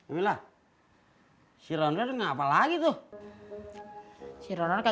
mbak be minta baca vasidita